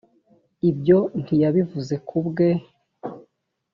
ibyo ntiyabivuze ku bwe